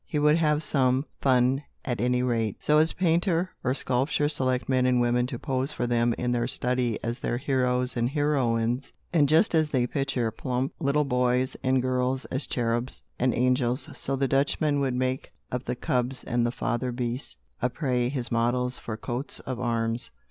He would have some fun, at any rate. So as painter or sculptor select men and women to pose for them in their study as their heroes and heroines, and just as they picture plump little boys and girls as cherubs and angels, so the Dutchman would make of the cubs and the father beast of prey his models for coats of arms.